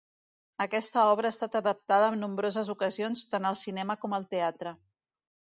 Aquesta obra ha estat adaptada en nombroses ocasions tant al cinema com al teatre.